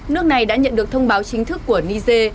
nước này đã nhận được thông báo chính thức của niger